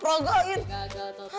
enggak keringetan mama enggak peragain